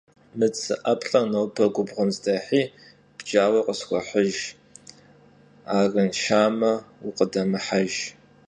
Mı tsı 'eplh'er nobe gubğuem zdehi bcaue khısxuehıjj, arınşşame vukhıdemıhejj!